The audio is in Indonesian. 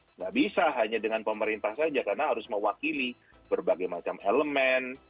tidak bisa hanya dengan pemerintah saja karena harus mewakili berbagai macam elemen